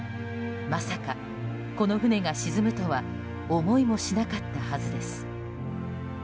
まさか、この船が沈むとは思いもしなかったはずです。